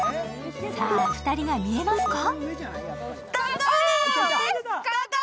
さあ、２人が見えますか？